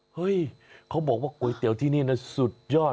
เฮ้ยเขาบอกว่าก๋วยเตี๋ยวที่นี่นะสุดยอด